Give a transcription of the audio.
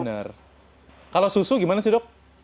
benar kalau susu gimana sih dok